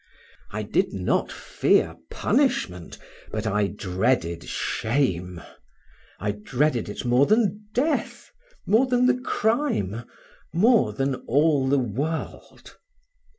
I did not fear punishment, but I dreaded shame: I dreaded it more than death, more than the crime, more than all the world.